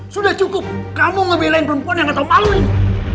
sudah cukup kamu ngebelain perempuan yang atau malu ini